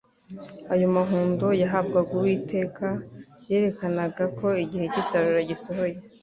Ayo mahundo yahabwaga Uwiteka yerekanaga ko igihe cy' isarura gisohoye.